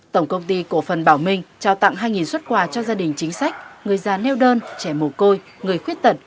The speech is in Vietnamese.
tổng công ty cổ phần bảo minh trao tặng hai xuất quà cho gia đình chính sách người già neo đơn trẻ mù côi người khuyết tật